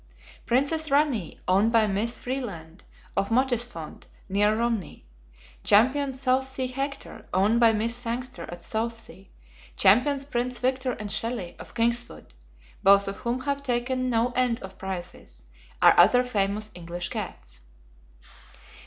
Princess Ranee, owned by Miss Freeland, of Mottisfont, near Romney; Champion Southsea Hector, owned by Miss Sangster, at Southsea; champions Prince Victor and Shelly, of Kingswood (both of whom have taken no end of prizes), are other famous English cats.